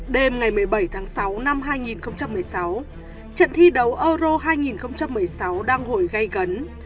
đêm ngày một mươi bảy tháng sáu năm hai nghìn một mươi sáu trận thi đấu euro hai nghìn một mươi sáu đang hồi gây gấn